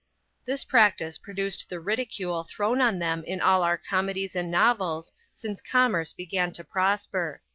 This practice produced the ridicule thrown on them in all our comedies and novels since commerce began to prosper.